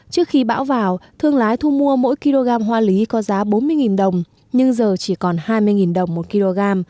trước khi bão vào thương lái thu mua mỗi kg hoa lý có giá bốn mươi đồng nhưng giờ chỉ còn hai mươi đồng một kg